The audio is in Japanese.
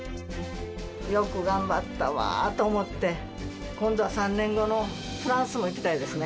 よく頑張ったわあと思って、今度は３年後のフランスも行きたいですね。